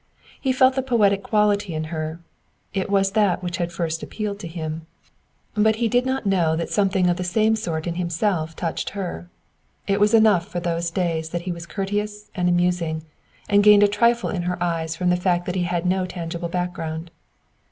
He felt the poetic quality in her; it was that which had first appealed to him; but he did not know that something of the same sort in himself touched her; it was enough for those days that he was courteous and amusing, and gained a trifle in her eyes from the fact that he had no tangible background.